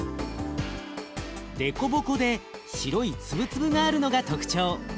デコボコで白い粒々があるのが特徴。